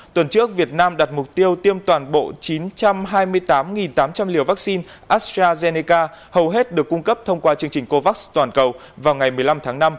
tuần trước việt nam đặt mục tiêu tiêm toàn bộ chín trăm hai mươi tám tám trăm linh liều vaccine astrazeneca hầu hết được cung cấp thông qua chương trình covax toàn cầu vào ngày một mươi năm tháng năm